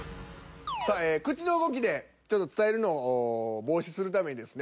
さあ口の動きで伝えるのを防止するためにですね